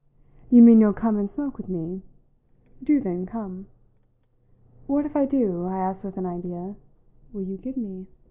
"You mean you'll come and smoke with me? Do then come." "What, if I do," I asked with an idea, "will you give me?"